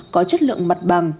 có chất lượng mặt bằng